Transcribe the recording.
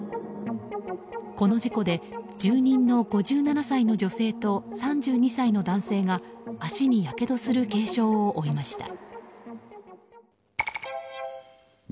この事故で住人の５７歳の女性と３２歳の男性が足にやけどする軽傷を負いました。